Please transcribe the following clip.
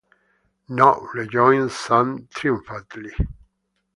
‘No!’ rejoined Sam triumphantly.